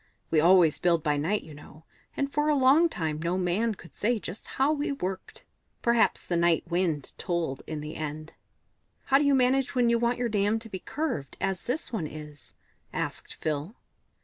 We always build by night, you know, and for a long time no man could say just how we worked. Perhaps the Night Wind told in the end." "How do you manage when you want your dam to be curved, as this one is?" asked Phil.